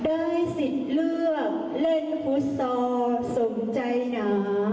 ได้ศิลป์เลือกเล่นฟุชตอร์สมใจหนา